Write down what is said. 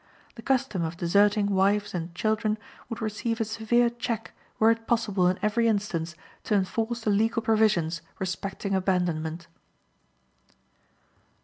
The custom of deserting wives and children would receive a severe check were it possible in every instance to enforce the legal provisions respecting abandonment.